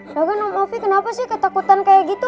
jangan om afi kenapa sih ketakutan kayak gitu